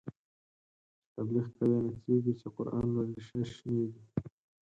چی تبلیغ کوی نڅیږی، چی قران لولی ششنیږی